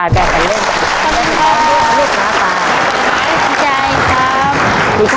ขอบคุณครับขอบคุณครับขอบคุณครับขอบคุณครับขอบคุณครับ